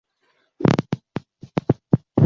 丽肯可